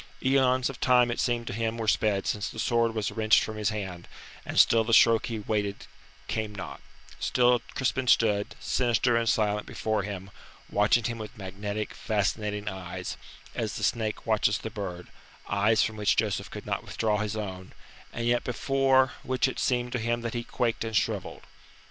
Eons of time it seemed to him were sped since the sword was wrenched from his hand, and still the stroke he awaited came not; still Crispin stood, sinister and silent before him, watching him with magnetic, fascinating eyes as the snake watches the bird eyes from which Joseph could not withdraw his own, and yet before which it seemed to him that he quaked and shrivelled.